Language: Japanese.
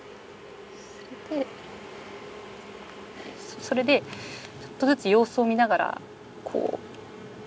それでちょっとずつ様子を見ながらこう。